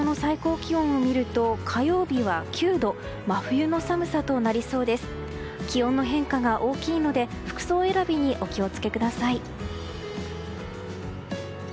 気温の変化が大きいので服装選びにお気を付けください。